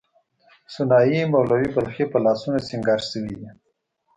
سنايي، مولوی بلخي په لاسونو سینګار شوې دي.